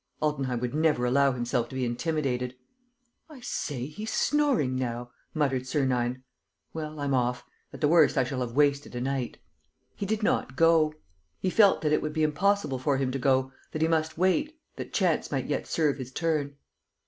Altenheim would never allow himself to be intimidated. "I say, he's snoring now," muttered Sernine. "Well, I'm off. At the worst, I shall have wasted a night." He did not go. He felt that it would be impossible for him to go, that he must wait, that chance might yet serve his turn.